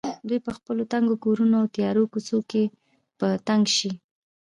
دوی په خپلو تنګو کورونو او تیارو کوڅو کې په تنګ شي.